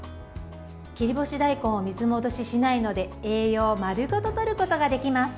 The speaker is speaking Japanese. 切り干し大根を水戻ししないので栄養を丸ごととることができます。